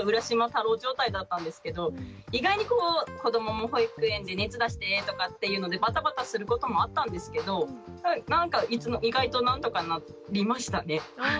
太郎状態だったんですけど意外にこう子どもも保育園で熱出してとかっていうのでバタバタすることもあったんですけどなんか意外と何とかなりましたね。